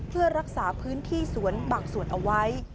เพื่อรักษาพื้นที่สวนบางส่วนเอาไว้